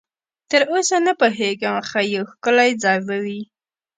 تراوسه نه پوهېږم، خو یو ښکلی ځای به وي.